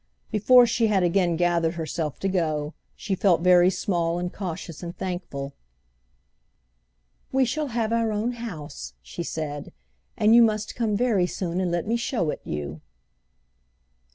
Before she had again gathered herself to go she felt very small and cautious and thankful. "We shall have our own house," she said, "and you must come very soon and let me show it you."